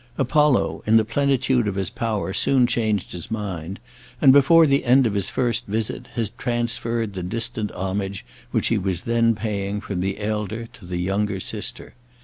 Apollo, in the plenitude of his power, soon changed his mind; and before the end of his first visit, had transferred the distant homage which he was then paying from the elder to the younger sister.